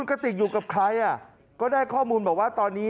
กะติกอยู่กับใครตอนนี้ก็ได้ข้อมูลว่า